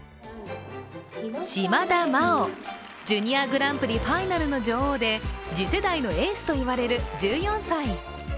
島田麻央、ジュニアグランプリファイナルの女王で次世代のエースといわれる１４歳。